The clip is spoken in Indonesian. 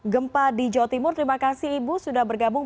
gempa di jawa timur terima kasih ibu sudah bergabung